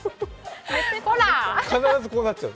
必ずこうなっちゃう？